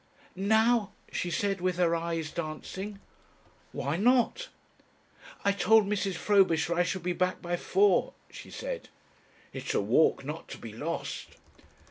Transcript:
"Now?" she said with her eyes dancing. "Why not?" "I told Mrs. Frobisher I should be back by four," she said. "It's a walk not to be lost."